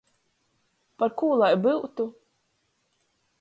Parkū lai byutu?